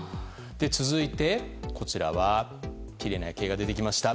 続いてきれいな夜景が出てきました。